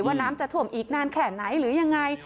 น้ำจะท่วมอีกนานแค่ไหนหรือยังไง